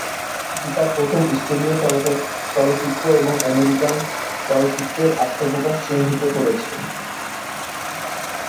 এটি তার প্রথম স্টুডিও চলচ্চিত্র এবং আমেরিকান চলচ্চিত্রের আত্মপ্রকাশ চিহ্নিত করেছে।